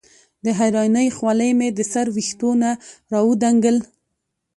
د حېرانۍ خولې مې د سر وېښتو نه راودنګل